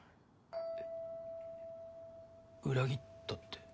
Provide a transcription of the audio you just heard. えっ裏切ったって？